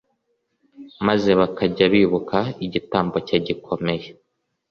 maze bakajya bibuka igitambo cye gikomeye.